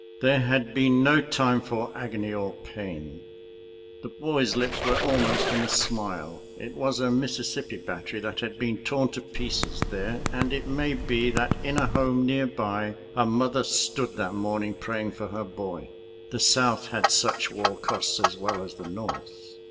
There had been no time for agony or pain. The boy's lips were almost in a smile. It was a Mississippi battery that had been torn to pieces there, and it may be that in a home near by a mother stood that morning praying for her boy. The South had such war costs as well as the North.